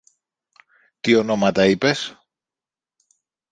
Τι ονόματα είπες;